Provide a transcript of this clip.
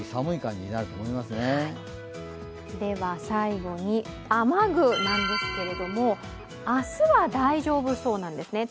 最後に雨具なんですけれども明日は大丈夫そうなんです。